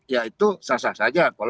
ya itu sah sah saja